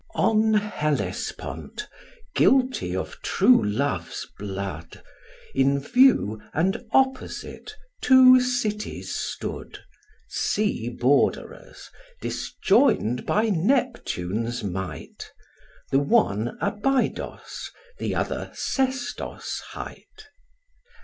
On Hellespont, guilty of true love's blood, In view and opposite two cities stood, Sea borderers, disjoin'd by Neptune's might; The one Abydos, the other Sestos hight.